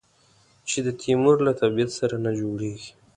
چې د تیمور له طبیعت سره نه جوړېږي.